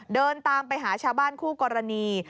เดินตามไปหาชาวบ้านคู่กรณี